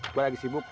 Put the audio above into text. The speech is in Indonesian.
gue lagi sibuk